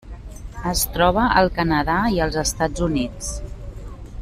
Es troba al Canadà i als Estats Units.